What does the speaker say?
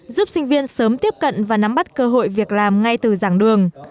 giúp sinh viên sớm tiếp cận và nắm bắt cơ hội việc làm ngay từ dàng đường